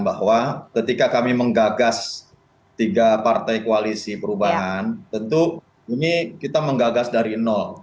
bahwa ketika kami menggagas tiga partai koalisi perubahan tentu ini kita menggagas dari nol